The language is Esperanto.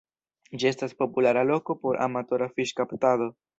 Ĝi estas populara loko por amatora fiŝkaptado.